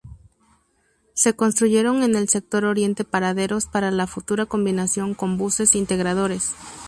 Se construyeron en el sector oriente paraderos para la futura combinación con buses integradores.